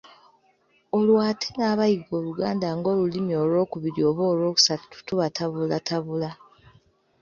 Olwo ate n'abayiga Oluganda ng’olulimi olwokubiri oba olwokusatu tubatabula.